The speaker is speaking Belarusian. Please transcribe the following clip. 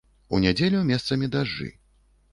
У нядзелю месцамі дажджы.